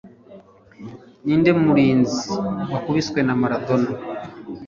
Ninde Murinzi Wakubiswe na Maradona